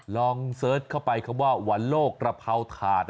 เสิร์ชเข้าไปคำว่าวันโลกกระเพราถาด